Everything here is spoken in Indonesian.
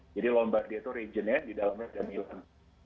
jadi lombardia itu regionnya di dalamnya ada milan